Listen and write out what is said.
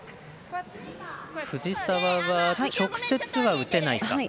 藤澤は直接は打てないか。